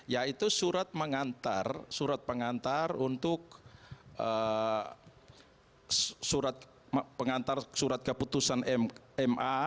yaitu surat pengantar untuk surat keputusan ma